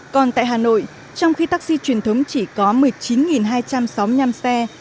còn tại hà nội trong khi taxi truyền thống chỉ có một mươi chín hai trăm sáu mươi năm xe